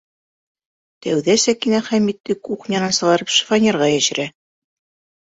Тәүҙә Сәкинә Хәмитте кухнянан сығарып шифоньерға йәшерә.